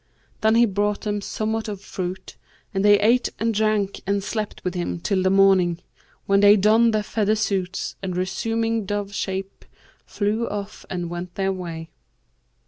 Then he brought them somewhat of fruit, and they ate and drank and slept with him till the morning, when they donned their feather suits, and resuming dove shape flew off and went their way.